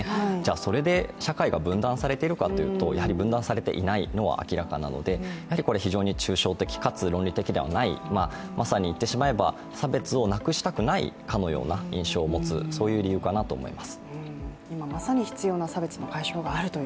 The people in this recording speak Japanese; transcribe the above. それで社会が分断されているかといったら分断されていないのは明らかなので、非常に抽象的かつ論理的ではない、まさに差別をなくしたくないかのような印象を持つ、そういう理由かなと思います。